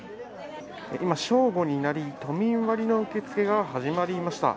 今、正午になり都民割の受付が始まりました。